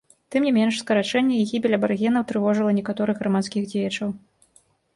Тым не менш, скарачэнне і гібель абарыгенаў трывожыла некаторых грамадскіх дзеячаў.